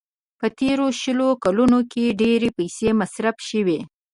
په تېرو شلو کلونو کې ډېرې پيسې مصرف شوې.